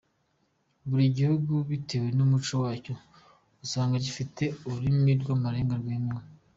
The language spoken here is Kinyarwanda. Buri gihugu bitewe n’umuco wacyo usanga gifite ururimi rw’amarenga rwemewe.